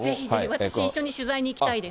私、一緒に取材に行きたいです。